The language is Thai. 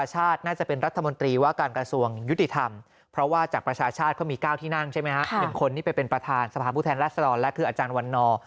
๑คนที่ไปเป็นประธานสภาพผู้แทนรัศดรและคืออาจารย์วันนอร์